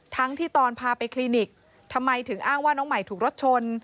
ทั้งที่ตอนพาไปคลินิกทำไมถึงอ้างว่าน้องใหม่ถูกรถชน